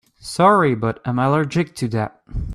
Sorry but I'm allergic to that.